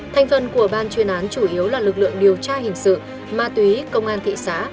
thành phần của ban chuyên án chủ yếu là lực lượng điều tra hình sự ma túy công an thị xã